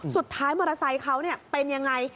สุดท้ายมอเตอร์ไซค์เขาเป็นยังไง